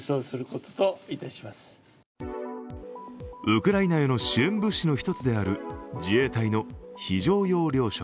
ウクライナへの支援物資の一つである自衛隊の非常用糧食。